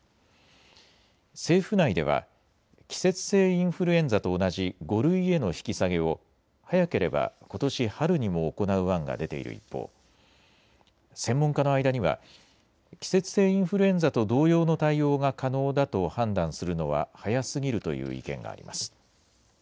政府内では季節性インフルエンザと同じ５類への引き下げを早ければ、ことし春にも行う案が出ている一方、専門家の間には季節性インフルエンザと同様の対応が可能だと判断するのは早すぎるという意見があります。